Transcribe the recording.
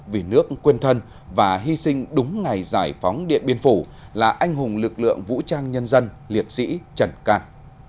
vì nước quên thân và hy sinh đúng ngày giải phóng điện biên phủ là anh hùng lực lượng vũ trang nhân dân liệt sĩ trần cạn